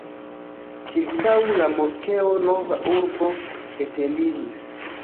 Ĉirkaŭ la moskeo nova urbo etendiĝis.